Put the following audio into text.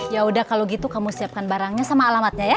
ya udah kalau gitu kamu siapkan barangnya sama alamatnya ya